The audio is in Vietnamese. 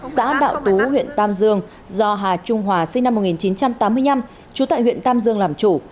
xã đạo tú huyện tam dương do hà trung hòa sinh năm một nghìn chín trăm tám mươi năm trú tại huyện tam dương làm chủ